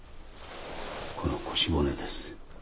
この腰骨です。